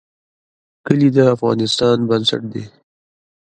کلي د افغانستان بنسټ دی